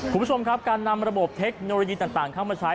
คุณผู้ชมครับการนำระบบเทคโนโลยีต่างเข้ามาใช้